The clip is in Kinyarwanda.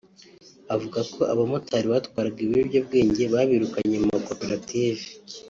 avuga ko abamotari batwaraga ibiyobyabwenge babirukanye mu makoperative